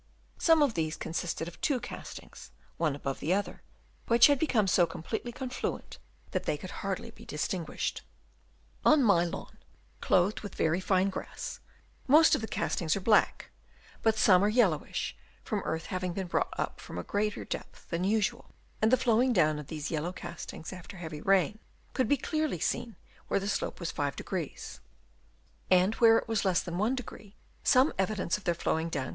Some of these consisted of two castings, one above the other, which had become so completely confluent that they could hardly be distinguished. On my lawn, clothed with very fine grass, most of the castings are black, but some are yellowish from earth having been brought up from a greater depth than usual, and the flowing down of these yellow castings after heavy rain, could be clearly seen where the slope was 5° ; and where it was less than 1° some evidence of their flowing down could Chap.